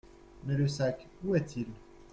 Mais le sac, où est-il ?